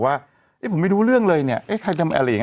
ว่าเอ๊ะผมไม่รู้เรื่องเลยเนี่ย